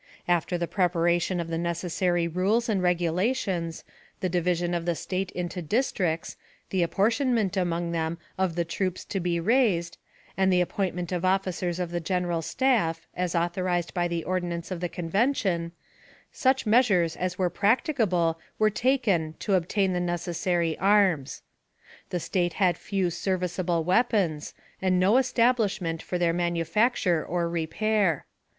After the preparation of the necessary rules and regulations, the division of the State into districts, the apportionment among them of the troops to be raised, and the appointment of officers of the general staff, as authorized by the ordinance of the Convention, such measures as were practicable were taken to obtain the necessary arms. The State had few serviceable weapons, and no establishment for their manufacture or repair.